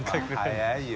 早いよ。